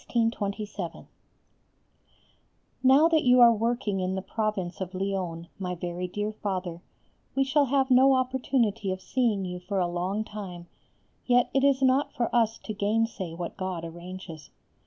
_ Now that you are working in the Province of Lyons, my very dear Father, we shall have no opportunity of seeing you for a long time, yet it is not for us to gainsay what God arranges.